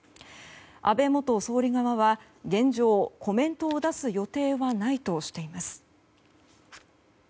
安倍元総理側は現状コメントを出す予定はないとしています。